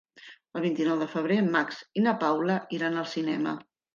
El vint-i-nou de febrer en Max i na Paula iran al cinema.